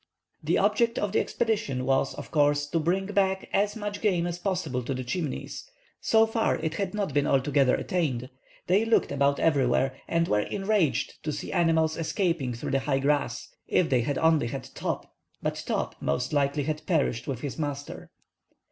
The object of the expedition was, of course, to bring back as much game as possible to the Chimneys. So far it had not been altogether attained. They looked about everywhere, and were enraged to see animals escaping through the high grass. If they had only had Top! But Top, most likely, had perished with his master.